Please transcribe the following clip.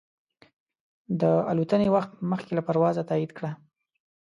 د الوتنې وخت مخکې له پروازه تایید کړه.